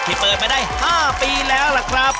ที่เปิดไปได้ห้าปีแล้วล่ะครับ